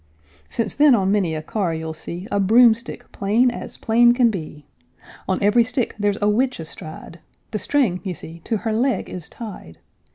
Since then on many a car you'll see A broomstick plain as plain can be; On every stick there's a witch astride, The string you see to her leg is tied.